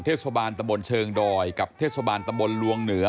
เทศบาลตะบนเชิงดอยกับเทศบาลตำบลลวงเหนือ